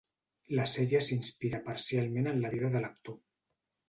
La sèrie s'inspira parcialment en la vida de l'actor.